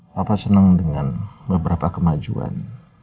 bapak senang dengan beberapa kemajuan